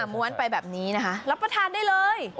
ม้วนไปแบบนี้นะคะรับประทานได้เลย